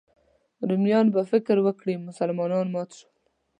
رومیان به فکر وکړي مسلمانان مات شول.